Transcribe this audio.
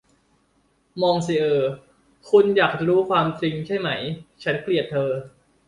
มองซิเออร์ คุณอยากรู้ความจริงใช่ไหม ฉันเกลียดเธอ